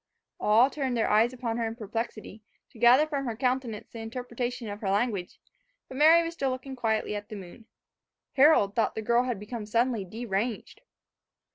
All turned their eyes upon her in perplexity, to gather from her countenance the interpretation of her language; but Mary was still looking quietly at the moon. Harold thought the girl had become suddenly deranged.